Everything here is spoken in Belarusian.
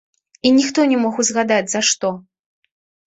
І ніхто не мог узгадаць, за што.